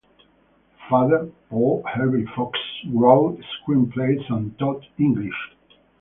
Her father, Paul Hervey Fox, wrote screenplays and taught English.